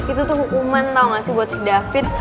itu tuh hukuman tau gak sih buat si david